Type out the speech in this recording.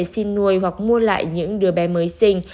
xin nuôi hoặc mua lại những đứa bé mới sinh